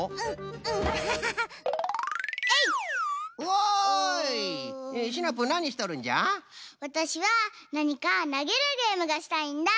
わたしはなにかなげるゲームがしたいんだ。